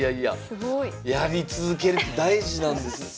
すごい。やり続けるって大事なんですね。